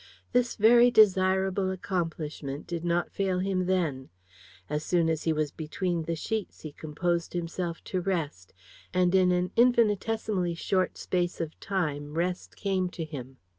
This very desirable accomplishment did not fail him then. As soon as he was between the sheets he composed himself to rest; and in an infinitesimally short space of time rest came to him.